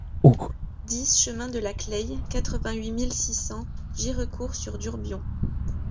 dix chemin de la Claye, quatre-vingt-huit mille six cents Girecourt-sur-Durbion